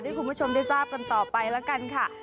ให้คุณผู้ชมได้ทราบกันต่อไปแล้วกันค่ะ